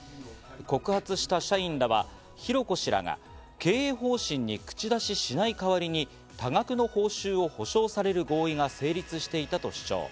告発した社員らは浩子氏らが経営方針に口出ししない代わりに多額の報酬を保証される合意が成立していたと主張。